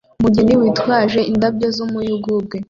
Umugeni witwaje indabyo z'umuyugubwe